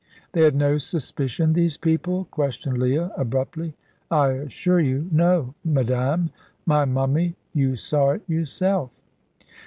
"They had no suspicion these people?" questioned Leah, abruptly. "I assure you, no, madame. My mummy, you saw it, yourself."